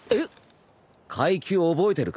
階級覚えてるか？